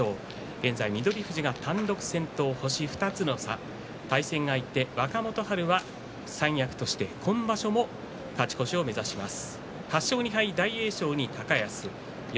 現在、翠富士が単独先頭星２つの差、対戦相手、若元春は三役として、今場所も勝ち越しを目指します。